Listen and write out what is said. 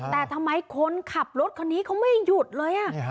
แต่ทำไมคนขับรถคันนี้เขาไม่หยุดเลย